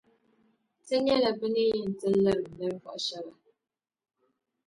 Ti nyɛla bɛ ni yɛn liri ninvuɣu shεba.